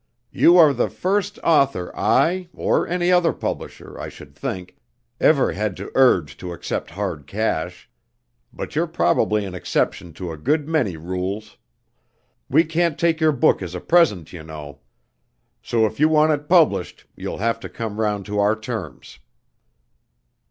"You are the first author I or any other publisher, I should think ever had to urge to accept hard cash. But you're probably an exception to a good many rules! We can't take your book as a present, you know! So if you want it published you'll have to come round to our terms."